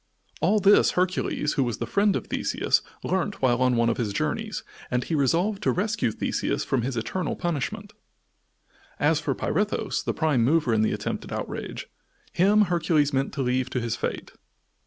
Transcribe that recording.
All this Hercules, who was the friend of Theseus, learnt while on one of his journeys, and he resolved to rescue Theseus from his eternal punishment. As for Pirithous, the prime mover in the attempted outrage, him Hercules meant to leave to his fate.